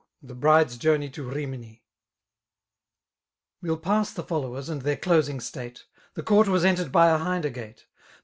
The Bride^s Journey to Rmim, We^ll pass. the followers^ and iheir dosing state; The court was entered by a hinder gate 3 The.